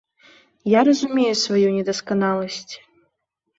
Я разумею сваю недасканаласць.